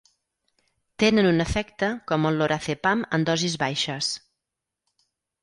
Tenen un efecte com el lorazepam en dosis baixes.